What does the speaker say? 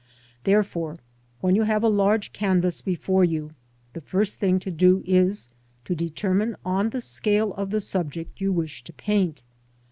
Therefore, when you have a large canvas before you, the first thing to do is to determine on the scale of the subject you wish to paint.